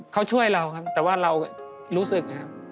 เขาช่วยเราครับแต่ว่าเรารู้สึกนะครับ